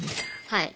はい。